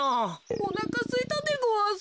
おなかすいたでごわす。